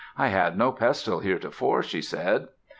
I had no pestle heretofore," she said.